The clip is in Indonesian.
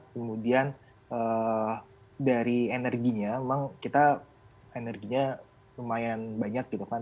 kemudian dari energinya memang kita energinya lumayan banyak gitu kan